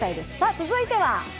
続いては。